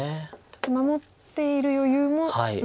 ちょっと守っている余裕もないと。